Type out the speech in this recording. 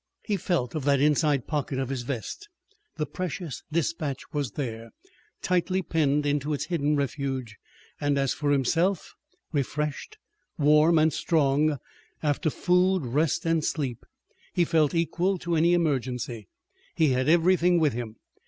He felt of that inside pocket of his vest. The precious dispatch was there, tightly pinned into its hidden refuge, and as for himself, refreshed, warm, and strong after food, rest, and sleep, he felt equal to any emergency. He had everything with him.